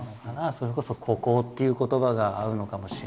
それこそ「孤高」っていう言葉が合うのかもしれないけど。